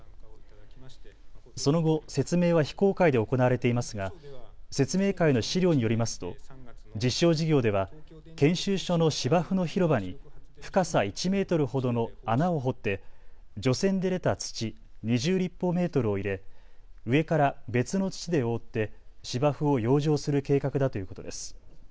その後、説明は非公開で行われていますが説明会の資料によりますと実証事業では研修所の芝生の広場に深さ１メートルほどの穴を掘って除染で出た土２０立方メートルを入れ、上から別の土で覆って芝生を養生する計画だということです。